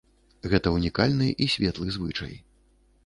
Гэта ўнікальны і светлы звычай.